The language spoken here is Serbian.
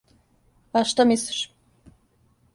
А, шта мислиш?